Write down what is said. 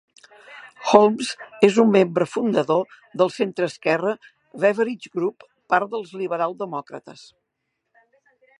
Holmes és un membre fundador del centre-esquerra "Beveridge Group", part dels Liberal Demòcrates.